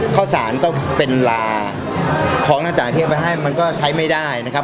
ข้าวสารก็เป็นลาของต่างที่เอาไปให้มันก็ใช้ไม่ได้นะครับ